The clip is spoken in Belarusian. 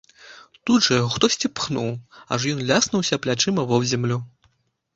Тут жа яго хтосьці пхнуў, аж ён ляснуўся плячыма вобземлю.